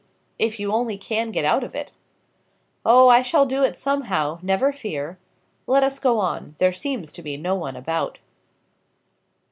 "If you only can get out of it." "Oh, I shall do it, somehow; never fear. Let us go on, there seems to be no one about."